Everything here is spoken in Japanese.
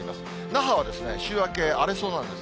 那覇は週明け、荒れそうなんです。